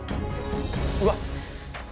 うわっ。